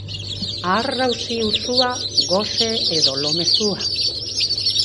Aharrausi usua, gose edo lo mezua.